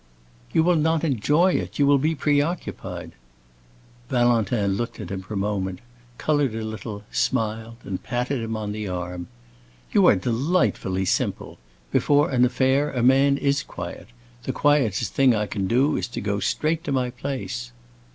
"You will not enjoy it; you will be preoccupied." Valentin looked at him a moment, colored a little, smiled, and patted him on the arm. "You are delightfully simple! Before an affair a man is quiet. The quietest thing I can do is to go straight to my place."